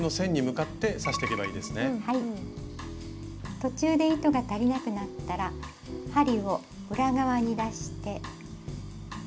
途中で糸が足りなくなったら針を裏側に出して。